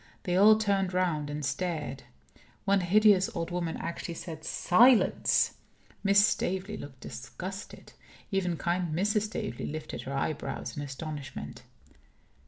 They all turned round and stared. One hideous old woman actually said, "Silence!" Miss Staveley looked disgusted. Even kind Mrs. Staveley lifted her eyebrows in astonishment.